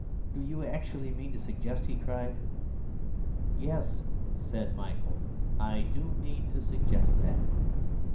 "Do you actually mean to suggest—" he cried. "Yes," said Michael; "I do mean to suggest that.